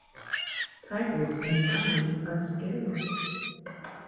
Tigers and lions are scary.